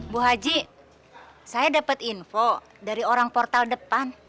bu haji saya dapat info dari orang portal depan